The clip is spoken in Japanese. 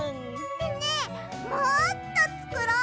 ねえもっとつくろう！